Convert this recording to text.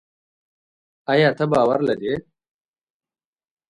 ایا ته باور لري؟